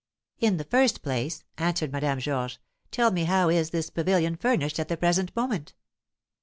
"In the first place," answered Madame Georges, "tell me how is this pavilion furnished at the present moment."